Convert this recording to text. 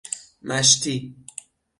مشتی